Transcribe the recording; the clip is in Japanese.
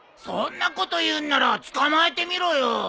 そんなこと言うんなら捕まえてみろよ。